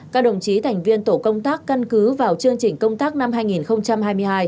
các đồng chí thành viên tổ công tác căn cứ vào chương trình công tác năm hai nghìn hai mươi hai